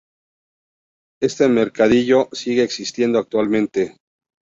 Este mercadillo sigue existiendo actualmente.